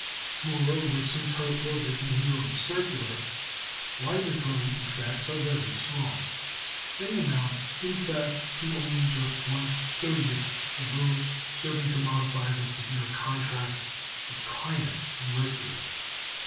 Moreover, since her orbit is nearly circular, libratory effects are very small. They amount in fact to only just one thirtieth of those serving to modify the severe contrasts of climate in Mercury.